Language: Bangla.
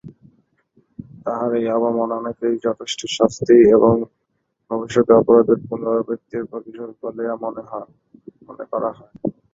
তাহার এই অবমাননাকেই যথেষ্ট শাস্তি এবং ভবিষ্যতে অপরাধের পুনরাবৃত্তির প্রতিষেধক বলিয়া মনে করা হয়।